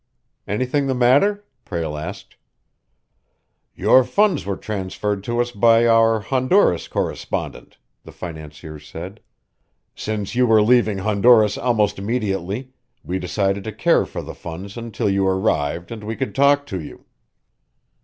"Anything the matter?" Prale asked. "Your funds were transferred to us by our Honduras correspondent," the financier said. "Since you were leaving Honduras almost immediately, we decided to care for the funds until you arrived and we could talk to you."